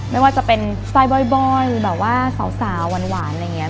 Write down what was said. ไม่ว่าจะเป็นสไตล์บอยหรือแบบว่าสาวหวานอะไรอย่างเงี้ย